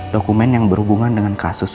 dokumen yang berhubungan dengan kasus